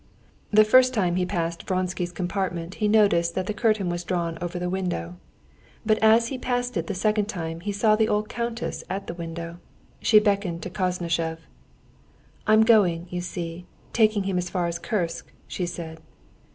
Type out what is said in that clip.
The first time he passed Vronsky's compartment he noticed that the curtain was drawn over the window; but as he passed it the second time he saw the old countess at the window. She beckoned to Koznishev. "I'm going, you see, taking him as far as Kursk," she said.